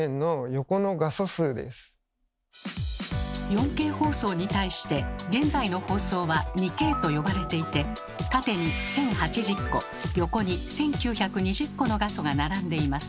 ４Ｋ放送に対して現在の放送は「２Ｋ」と呼ばれていて縦に１，０８０個横に１，９２０個の画素が並んでいます。